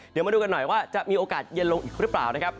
เดี๋ยวมาดูกันหน่อยว่าจะมีโอกาสเย็นลงอีกหรือเปล่านะครับ